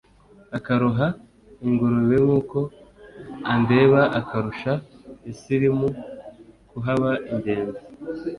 Akaroha ingurube nk'ukwo undebaAkarusha isirimu kuhaba ingenzi!"